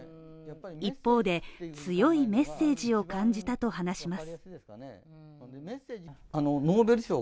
一方で、強いメッセージを感じたと話します。